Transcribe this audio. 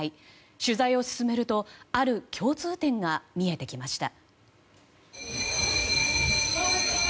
取材を進めるとある共通点が見えてきました。